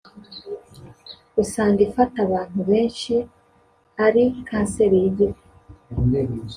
usanga ifata abantu benshi ari kanseri y’igifu